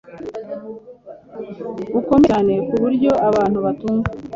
bukomeye cyane ku buryo abantu batumva